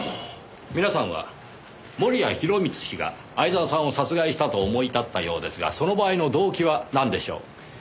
皆さんは盛谷弘光氏が相沢さんを殺害したと思い至ったようですがその場合の動機はなんでしょう？